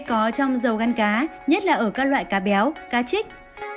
vitamin d có trong dầu gắn cá nhất là ở các loại cá béo cá chích